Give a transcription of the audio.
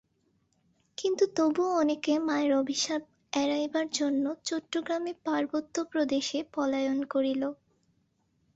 কিন্তু তবুও অনেকে মায়ের অভিশাপ এড়াইবার জন্য চট্টগ্রামে পার্বত্য প্রদেশে পলায়ন করিল।